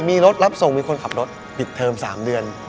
มีรถรับส่งมีคนขับรถปิดเทอม๓เดือน